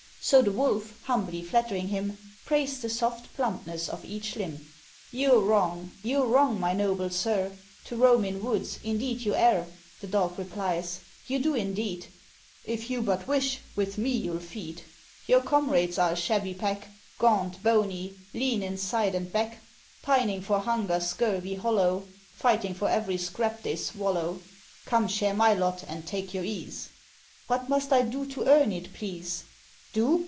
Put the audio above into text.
So the Wolf, humbly flattering him, Praised the soft plumpness of each limb. "You're wrong, you're wrong, my noble sir, To roam in woods indeed you err," The dog replies, "you do indeed; If you but wish, with me you'll feed. Your comrades are a shabby pack, Gaunt, bony, lean in side and back, Pining for hunger, scurvy, hollow, Fighting for every scrap they swallow. Come, share my lot, and take your ease." "What must I do to earn it, please?" "Do?